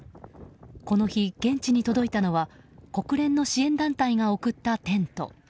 この日、現地に届いたのは国連の支援団体が送ったテント。